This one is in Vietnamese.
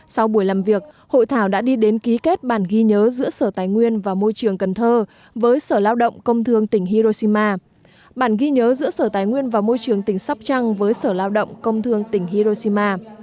sau buổi làm việc hội thảo đã đi đến ký kết bản ghi nhớ giữa sở tài nguyên và môi trường cần thơ với sở lao động công thương tỉnh hiroshima bản ghi nhớ giữa sở tài nguyên và môi trường tỉnh sóc trăng với sở lao động công thương tỉnh hiroshima